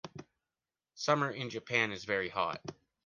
Summer in Japan is very hot.